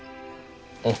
うん。